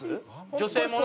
女性もの？